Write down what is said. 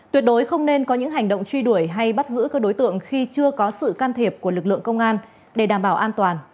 tuyệt đối không nên có những hành động truy đuổi hay bắt giữ các đối tượng khi chưa có sự can thiệp của lực lượng công an để đảm bảo an toàn